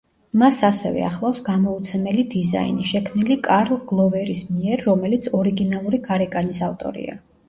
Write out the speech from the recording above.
მას ასევე ახლავს გამოუცემელი დიზაინი, შექმნილი კარლ გლოვერის მიერ, რომელიც ორიგინალური გარეკანის ავტორია.